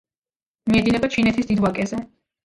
მიედინება ჩინეთის დიდ ვაკეზე.